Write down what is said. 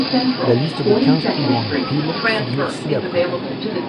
La liste des quinze plus grandes piles figure ci-après.